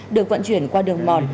được vận chuyển qua đường mòn